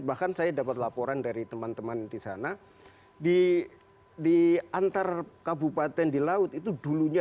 bahkan saya dapat laporan dari teman teman di sana di antar kabupaten di laut itu dulunya